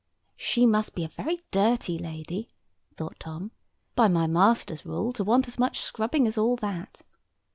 "She must be a very dirty lady," thought Tom, "by my master's rule, to want as much scrubbing as all that.